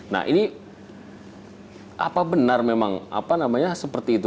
nah ini apa benar memang apa namanya seperti itu